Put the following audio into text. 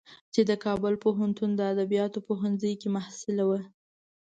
چې د کابل پوهنتون د ادبیاتو پوهنځی کې محصله وه.